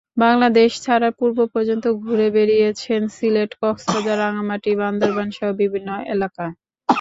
বাংলাদেশ ছাড়ার পূর্ব পর্যন্ত ঘুরে বেড়িয়েছেন সিলেট, কক্সবাজার, রাঙ্গামাটি, বান্দরবানসহ বিভিন্ন এলাকা।